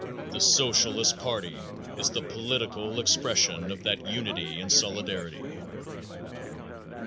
The Socialist party is the political expression of that unity and solidarity.